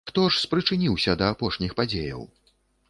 Хто ж спрычыніўся да апошніх падзеяў?